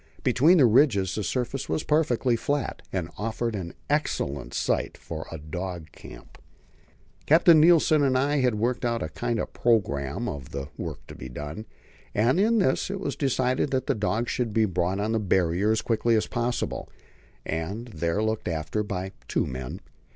Between the ridges the surface was perfectly flat, and offered an excellent site for a dog camp. Captain Nilsen and I had worked out a kind of programme of the work to be done, and in this it was decided that the dogs should be brought on to the Barrier as quickly as possible, and there looked after by two men.